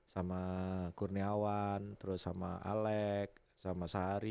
sama kurniawan sama alek sama sahari